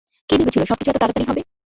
কে ভেবেছিল, সবকিছু এতো তাড়াতাড়ি হবে।